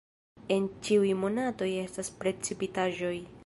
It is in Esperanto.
En ĉiuj monatoj estas precipitaĵoj.